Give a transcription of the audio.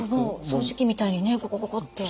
掃除機みたいにねゴゴゴゴって。